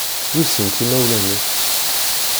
Weṣṣan-tt imawlan-is